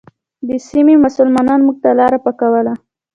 د سیمې مسلمانانو موږ ته لاره پاکوله.